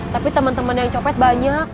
tapi temen temen yang copet banyak